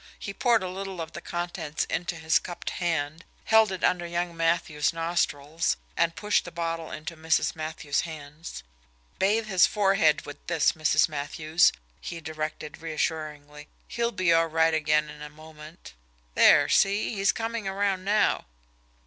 He poured a little of the contents into his cupped hand, held it under young Matthews' nostrils, and pushed the bottle into Mrs. Matthews' hands. "Bathe his forehead with this, Mrs. Matthews," he directed reassuringly. "He'll be all right again in a moment. There, see he's coming around now."